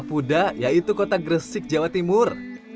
pusat yang mudah yaitu kota gersik jawa timur